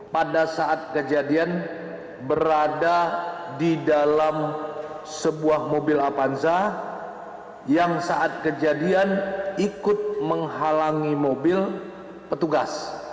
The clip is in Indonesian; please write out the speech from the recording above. pada saat kejadian berada di dalam sebuah mobil apanza yang saat kejadian ikut menghalangi mobil petugas